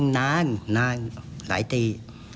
นานหลายตี